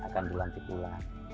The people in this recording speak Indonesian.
akan dilantik ulang